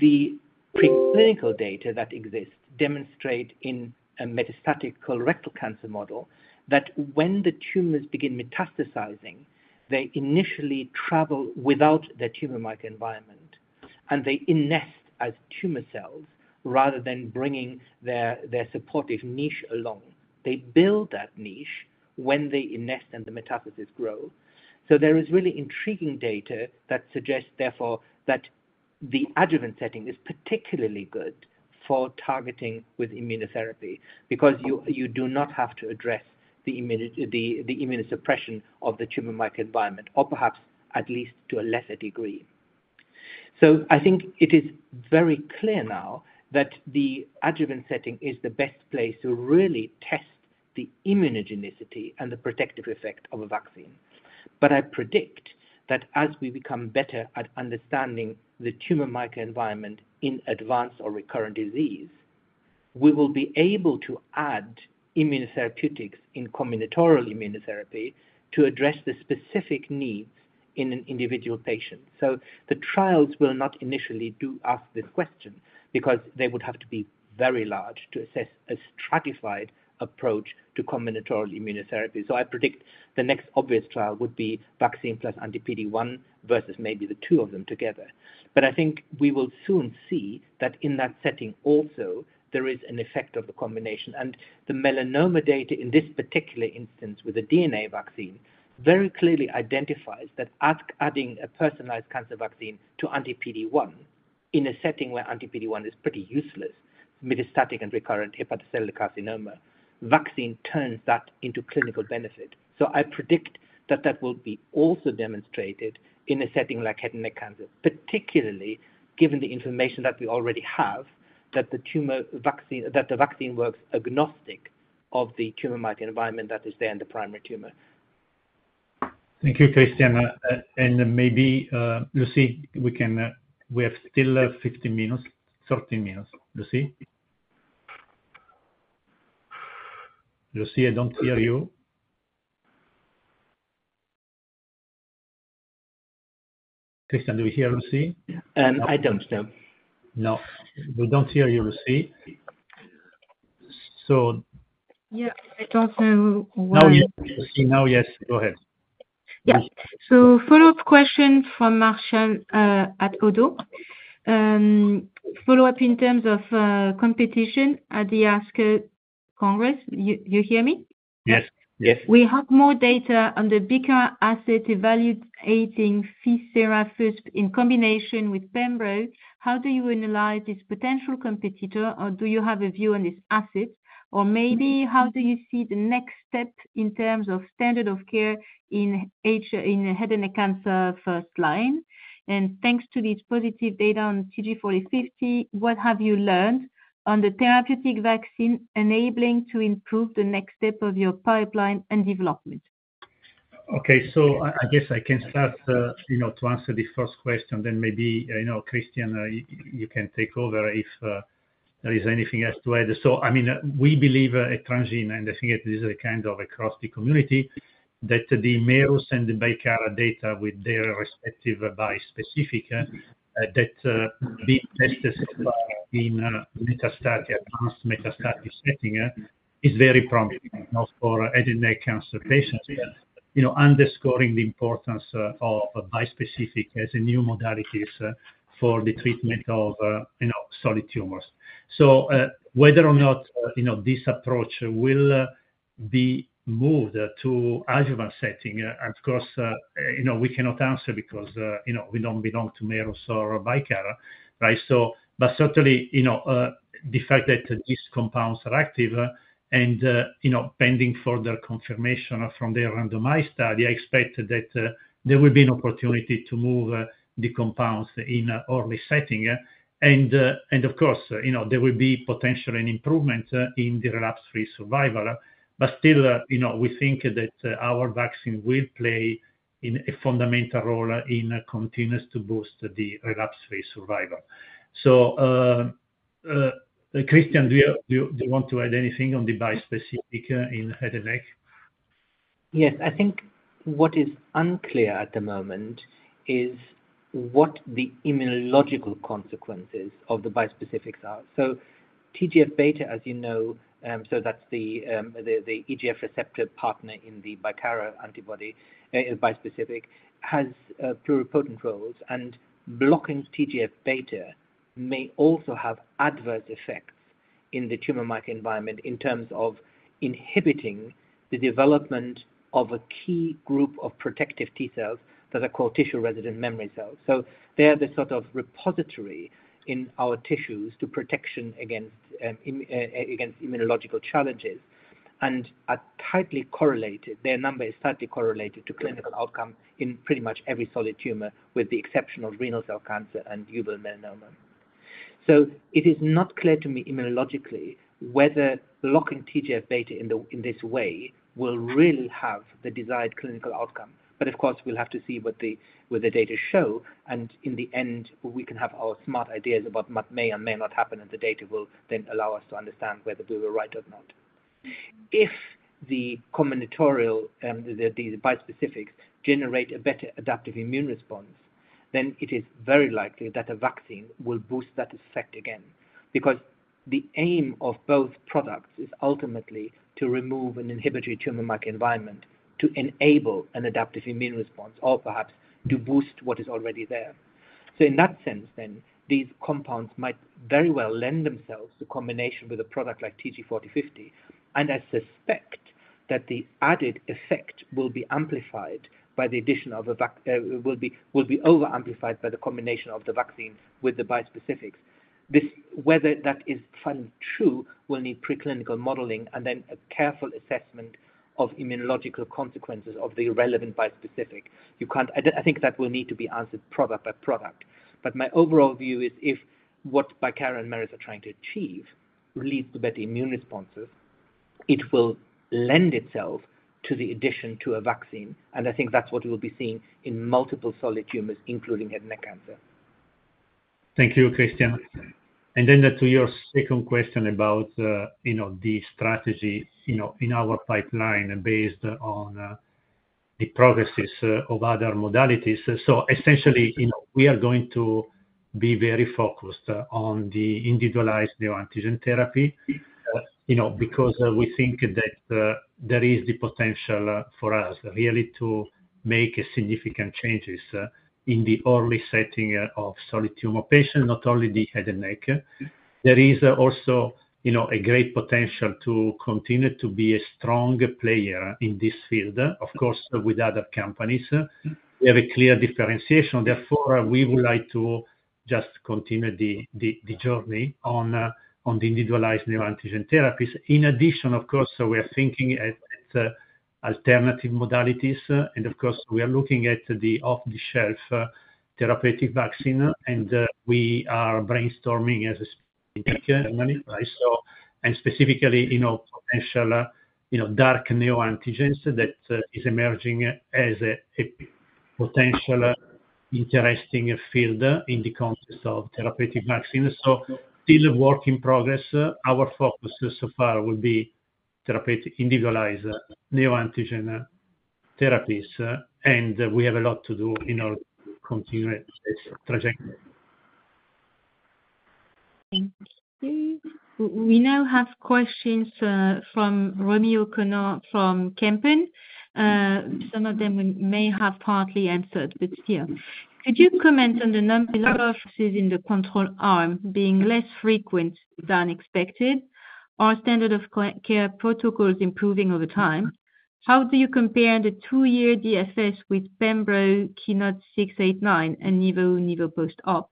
The preclinical data that exist demonstrate in a metastatic colorectal cancer model that when the tumors begin metastasizing, they initially travel without their tumor microenvironment, and they innest as tumor cells rather than bringing their supportive niche along. They build that niche when they innest and the metastasis grow. There is really intriguing data that suggests, therefore, that the adjuvant setting is particularly good for targeting with immunotherapy because you do not have to address the immunosuppression of the tumor microenvironment or perhaps at least to a lesser degree. I think it is very clear now that the adjuvant setting is the best place to really test the immunogenicity and the protective effect of a vaccine. I predict that as we become better at understanding the tumor microenvironment in advanced or recurrent disease, we will be able to add immunotherapeutics in combinatorial immunotherapy to address the specific needs in an individual patient. The trials will not initially ask this question because they would have to be very large to assess a stratified approach to combinatorial immunotherapy. I predict the next obvious trial would be vaccine plus anti-PD-1 versus maybe the two of them together. I think we will soon see that in that setting also there is an effect of the combination. The melanoma data in this particular instance with the DNA vaccine very clearly identifies that adding a personalized cancer vaccine to anti-PD-1 in a setting where anti-PD-1 is pretty useless, metastatic and recurrent hepatocellular carcinoma, vaccine turns that into clinical benefit. I predict that that will be also demonstrated in a setting like head and neck cancer, particularly given the information that we already have that the vaccine works agnostic of the tumor microenvironment that is there in the primary tumor. Thank you, Christian. Maybe, Lucie, we have still 15 minutes, 13 minutes. Lucie? Lucie, I do not hear you. Christian, do we hear Lucie? I do not know. No. We do not hear you, Lucie. You can see now. Yes. Go ahead. Follow-up question from Martial at Oddo. Follow-up in terms of competition at the ASCO Congress. You hear me? Yes. Yes. We have more data on the Bicara asset evaluating FISERA first in combination with Pembro. How do you analyze this potential competitor, or do you have a view on this asset? How do you see the next step in terms of standard of care in head and neck cancer first line? Thanks to these positive data on TG4050, what have you learned on the therapeutic vaccine enabling to improve the next step of your pipeline and development? Okay. I guess I can start to answer the first question. Maybe Christian, you can take over if there is anything else to add. I mean, we believe at Transgene, and I think this is kind of across the community, that the Merus and the Bicara data with their respective bispecific that are being tested so far in advanced metastatic setting is very promising for head and neck cancer patients, underscoring the importance of bispecific as a new modality for the treatment of solid tumors. Whether or not this approach will be moved to adjuvant setting, of course, we cannot answer because we do not belong to Merus or Bicara, right? Certainly, the fact that these compounds are active and pending further confirmation from their randomized study, I expect that there will be an opportunity to move the compounds in early setting. Of course, there will be potentially an improvement in the relapse-free survival. Still, we think that our vaccine will play a fundamental role in continuing to boost the relapse-free survival. Christian, do you want to add anything on the bi-specific in head and neck? Yes. I think what is unclear at the moment is what the immunological consequences of the bi-specifics are. So TGF-β, as you know, that's the EGF receptor partner in the Bicara antibody, bi-specific, has pluripotent roles. Blocking TGF-β may also have adverse effects in the tumor microenvironment in terms of inhibiting the development of a key group of protective T cells that are called tissue-resident memory cells. They're the sort of repository in our tissues for protection against immunological challenges. Their number is slightly correlated to clinical outcome in pretty much every solid tumor with the exception of renal cell cancer and juvenile melanoma. It is not clear to me immunologically whether blocking TGF-β in this way will really have the desired clinical outcome. Of course, we'll have to see what the data show. In the end, we can have our smart ideas about what may or may not happen, and the data will then allow us to understand whether we were right or not. If the bi-specifics generate a better adaptive immune response, then it is very likely that a vaccine will boost that effect again. The aim of both products is ultimately to remove an inhibitory tumor microenvironment to enable an adaptive immune response or perhaps to boost what is already there. In that sense, these compounds might very well lend themselves to combination with a product like TG4050. I suspect that the added effect will be amplified by the addition of, will be over-amplified by the combination of the vaccine with the bispecifics. Whether that is finally true will need preclinical modeling and then a careful assessment of immunological consequences of the relevant bispecific. I think that will need to be answered product by product. My overall view is if what Bicara and Merus are trying to achieve leads to better immune responses, it will lend itself to the addition to a vaccine. I think that is what we will be seeing in multiple solid tumors, including head and neck cancer. Thank you, Christian. To your second question about the strategy in our pipeline based on the progress of other modalities. Essentially, we are going to be very focused on the individualized antigen therapy because we think that there is the potential for us really to make significant changes in the early setting of solid tumor patients, not only the head and neck. There is also a great potential to continue to be a strong player in this field, of course, with other companies. We have a clear differentiation. Therefore, we would like to just continue the journey on the individualized antigen therapies. In addition, of course, we are thinking at alternative modalities. Of course, we are looking at the off-the-shelf therapeutic vaccine. We are brainstorming as a specific and specifically potential dark neoantigens that is emerging as a potential interesting field in the context of therapeutic vaccines. Still a work in progress. Our focus so far will be therapeutic individualized neoantigen therapies. We have a lot to do in order to continue this trajectory. Thank you. We now have questions from Romeo from Kempen. Some of them we may have partly answered, but still. Could you comment on the number of cases in the control arm being less frequent than expected or standard of care protocols improving over time? How do you compare the two-year DFS with Pembro, KEYNOTE-689, and Nivo, Nivopost up?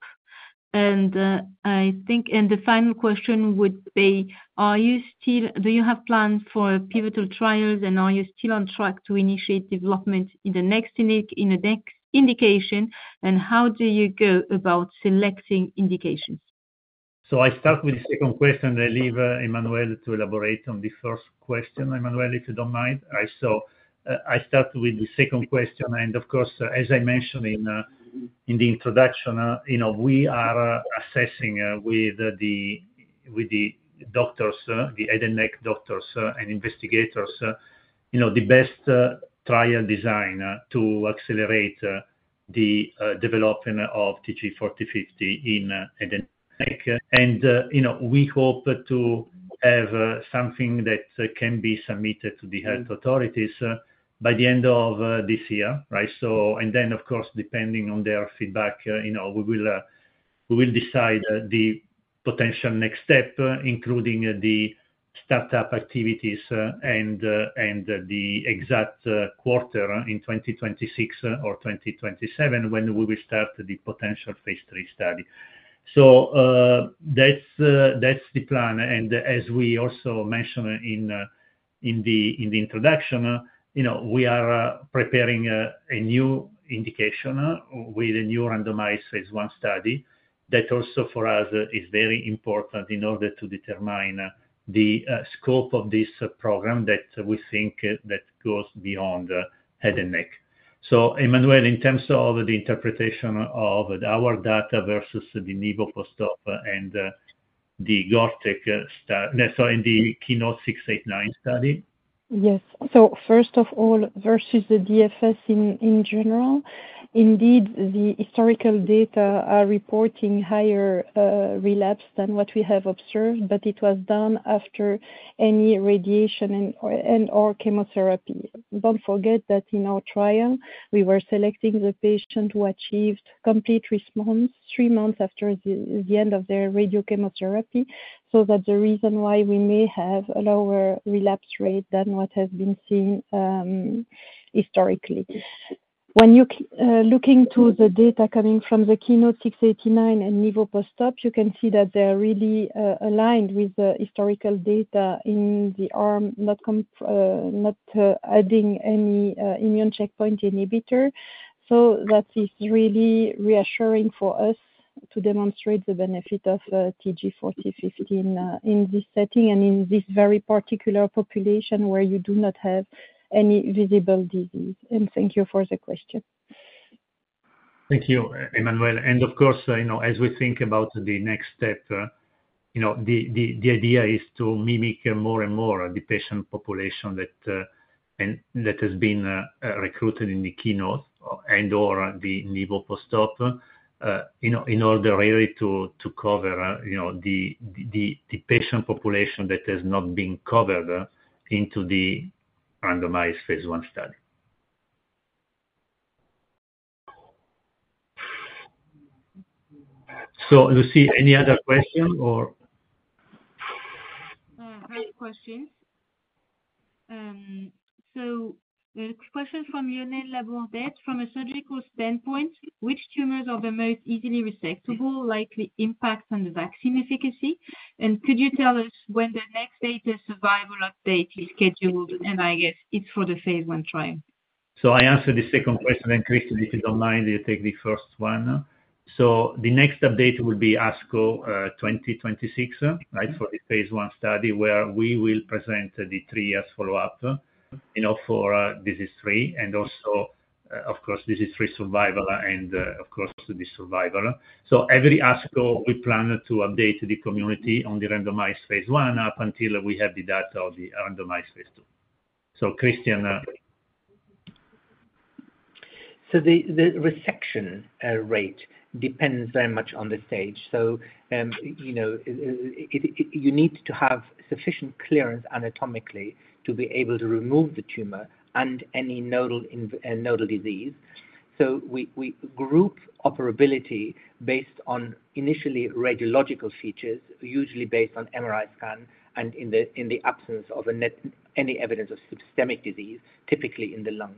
I think the final question would be, do you have plans for pivotal trials, and are you still on track to initiate development in the next indication, and how do you go about selecting indications? I start with the second question. I leave Emmanuel to elaborate on the first question, Emmanuel, if you do not mind. I start with the second question. Of course, as I mentioned in the introduction, we are assessing with the doctors, the head and neck doctors and investigators, the best trial design to accelerate the development of TG4050 in head and neck. We hope to have something that can be submitted to the health authorities by the end of this year, right? Then, of course, depending on their feedback, we will decide the potential next step, including the startup activities and the exact quarter in 2026 or 2027 when we will start the potential phase three study. That is the plan. As we also mentioned in the introduction, we are preparing a new indication with a new randomized phase one study that also for us is very important in order to determine the scope of this program that we think goes beyond head and neck. Emmanuel, in terms of the interpretation of our data versus the Nivopost and the KEYNOTE-689 study? Yes. First of all, versus the DFS in general, indeed, the historical data are reporting higher relapse than what we have observed, but it was done after any radiation and/or chemotherapy. Don't forget that in our trial, we were selecting the patient who achieved complete response three months after the end of their radiochemotherapy so that is the reason why we may have a lower relapse rate than what has been seen historically. When you're looking to the data coming from the KEYNOTE-689 and Nivopost, you can see that they are really aligned with the historical data in the arm not adding any immune checkpoint inhibitor. That is really reassuring for us to demonstrate the benefit of TG4050 in this setting and in this very particular population where you do not have any visible disease. Thank you for the question. Thank you, Emmanuel. Of course, as we think about the next step, the idea is to mimic more and more the patient population that has been recruited in the KEYNOTE-689 and/or the Nivopost trial in order really to cover the patient population that has not been covered in the randomized phase one study. Lucie, any other question or? Great question. Question from Lionel Labourbett. From a surgical standpoint, which tumors are the most easily resectable? Likely impact on the vaccine efficacy. Could you tell us when the next data survival update is scheduled? I guess it's for the phase one trial. I answered the second question. Christian, if you don't mind, you take the first one. The next update will be ASCO 2026, right, for the phase one study where we will present the three-year follow-up for disease three and also, of course, disease three survival and, of course, the survival. Every ASCO, we plan to update the community on the randomized phase one up until we have the data of the randomized phase two. Christian. The resection rate depends very much on the stage. You need to have sufficient clearance anatomically to be able to remove the tumor and any nodal disease. We group operability based on initially radiological features, usually based on MRI scan and in the absence of any evidence of systemic disease, typically in the lung.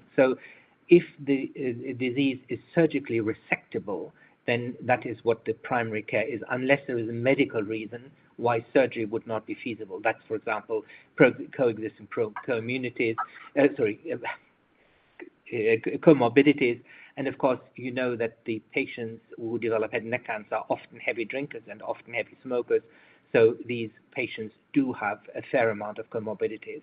If the disease is surgically resectable, then that is what the primary care is, unless there is a medical reason why surgery would not be feasible. That's, for example, coexisting comorbidities. And of course, you know that the patients who develop head and neck cancer are often heavy drinkers and often heavy smokers. These patients do have a fair amount of comorbidities.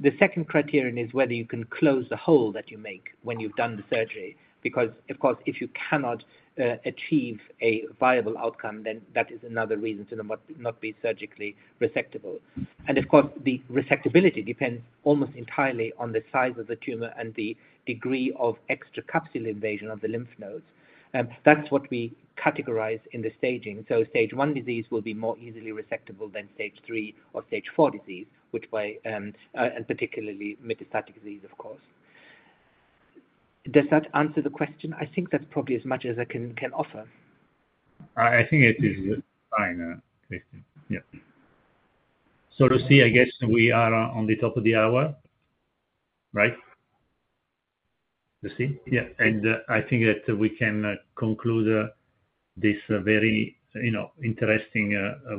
The second criterion is whether you can close the hole that you make when you've done the surgery. Because, of course, if you cannot achieve a viable outcome, then that is another reason to not be surgically resectable. The resectability depends almost entirely on the size of the tumor and the degree of extracapsular invasion of the lymph nodes. That's what we categorize in the staging. Stage one disease will be more easily resectable than stage three or stage four disease, which by and particularly metastatic disease, of course. Does that answer the question? I think that's probably as much as I can offer. I think it is fine, Christian. Yeah. Lucie, I guess we are on the top of the hour, right? Lucie? Yeah. I think that we can conclude this very interesting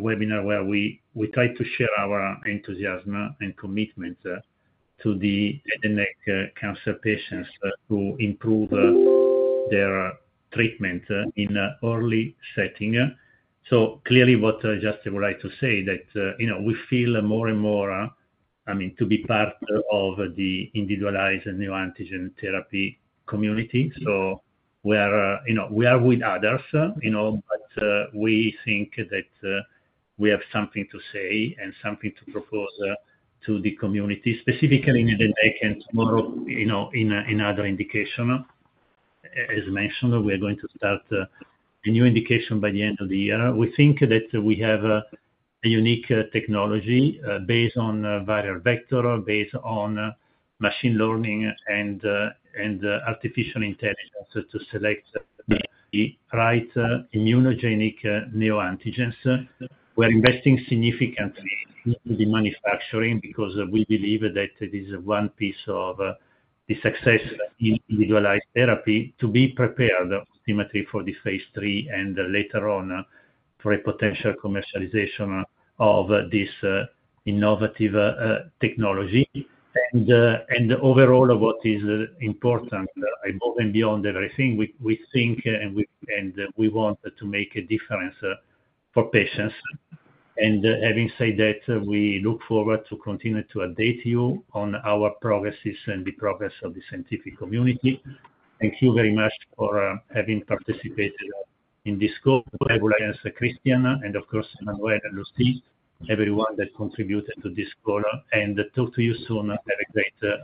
webinar where we try to share our enthusiasm and commitment to the head and neck cancer patients to improve their treatment in early setting. Clearly, what I just would like to say is that we feel more and more, I mean, to be part of the individualized neoantigen therapy community. We are with others, but we think that we have something to say and something to propose to the community, specifically in the neck and tomorrow in other indication. As mentioned, we are going to start a new indication by the end of the year. We think that we have a unique technology based on viral vector, based on machine learning and artificial intelligence to select the right immunogenic neoantigens. We're investing significantly in the manufacturing because we believe that it is one piece of the success of individualized therapy to be prepared ultimately for the phase three and later on for a potential commercialization of this innovative technology. Overall, what is important, I believe, and beyond everything, we think and we want to make a difference for patients. Having said that, we look forward to continue to update you on our progresses and the progress of the scientific community. Thank you very much for having participated in this call, Christian, and of course, Emmanuel, Lucie, everyone that contributed to this call. Talk to you soon. Have a great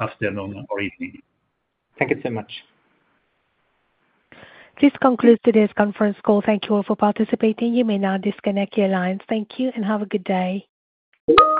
afternoon or evening. Thank you so much. Please conclude today's conference call. Thank you all for participating. You may now disconnect your lines. Thank you and have a good day.